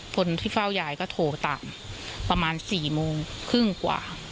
คนที่เฝ้ายายก็โทรตามประมาณ๔โมงครึ่งกว่า